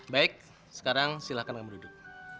baik sekarang silakan ke kamar duduk